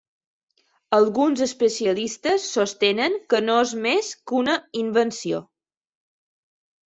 Alguns especialistes sostenen que no és més que una invenció.